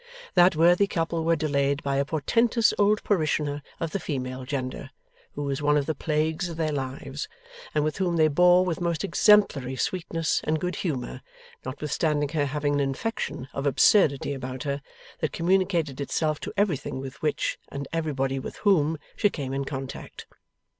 That worthy couple were delayed by a portentous old parishioner of the female gender, who was one of the plagues of their lives, and with whom they bore with most exemplary sweetness and good humour, notwithstanding her having an infection of absurdity about her, that communicated itself to everything with which, and everybody with whom, she came in contact.